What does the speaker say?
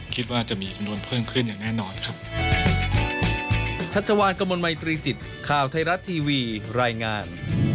คิดว่าจะมีจำนวนเพิ่มขึ้นอย่างแน่นอนครับ